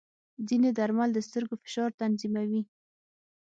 ځینې درمل د سترګو فشار تنظیموي.